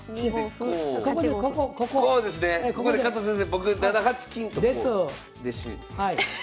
ここで加藤先生僕７八金と。です。